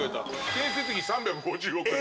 建設費３５０億円。